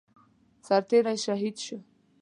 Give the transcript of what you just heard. سرتيری شهید شو